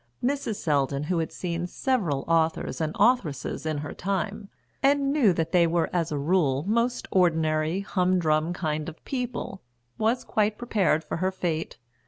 Mrs. Selldon, who had seen several authors and authoresses in her time, and knew that they were as a rule most ordinary, hum drum kind of people, was quite prepared for her fate.